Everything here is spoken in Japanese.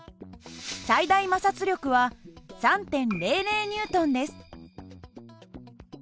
最大摩擦力は３．００Ｎです。